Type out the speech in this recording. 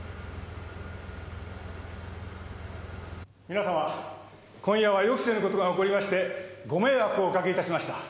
皆様今夜は予期せぬ事が起こりましてご迷惑をおかけ致しました。